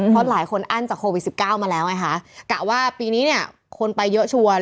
เพราะหลายคนอั้นจากโควิด๑๙มาแล้วแกะว่าปีนี้คนไปเยอะชัวร์